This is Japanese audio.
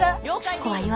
怖いわ。